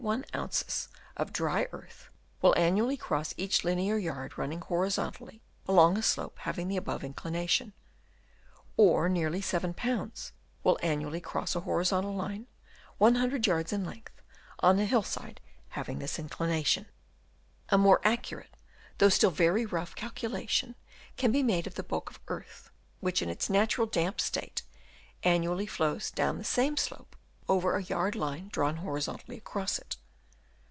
of dry earth will annually cross each linear yard run ning horizontally along a slope having the above inclination ; or very nearly 7 lbs. will Chap. VI. AIDED BY WORMS. 271 annually cross a horizontal line, 100 yards in length, on a hill side having this inclination. A more accurate, though still very rough, calculation can be made of the bulk of earth, which in its natural damp state annually flows down the same slope over a yard line drawn horizontally across it.